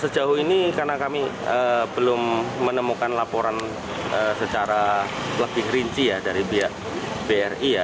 sejauh ini karena kami belum menemukan laporan secara lebih rinci ya dari pihak bri ya